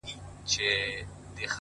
د لېوني د ژوند سُر پر یو تال نه راځي؛